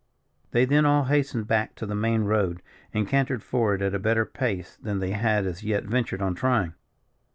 They then all hastened back to the main road, and cantered forward at a better pace than they had as yet ventured on trying.